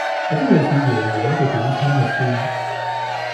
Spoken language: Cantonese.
有啲類似爺爺嘅表親嘅孫